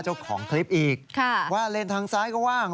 เจ้าของคลิปอีกว่าเลนทางซ้ายก็ว่าง